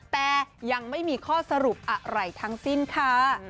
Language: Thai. แต่ยังไม่มีข้อสรุปอะไรทั้งสิ้นค่ะ